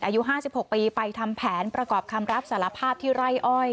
อายุ๕๖ปีไปทำแผนประกอบคำรับสารภาพที่ไร่อ้อย